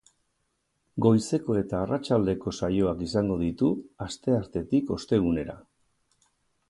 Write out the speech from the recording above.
Goizeko eta arratsaldeko saioak izango ditu, asteartetik ostegunera.